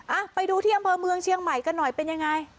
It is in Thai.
อ่ะไปดูที่อำเภอเมืองเชียงใหม่กันหน่อยเป็นยังไง